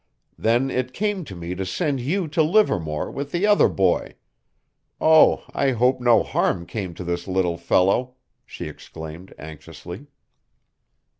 Then it came to me to send you to Livermore with the other boy oh, I hope no harm came to the little fellow," she exclaimed anxiously.